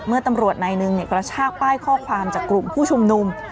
ตำรวจนายหนึ่งกระชากป้ายข้อความจากกลุ่มผู้ชุมนุม